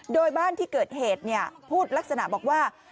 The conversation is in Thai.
โดยบ้านที่เกิดเหตุพูดลักษณะบอกว่า